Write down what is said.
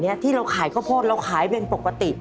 แบบเท่าที่เราขายคอโพสเราขายเป็นปกติ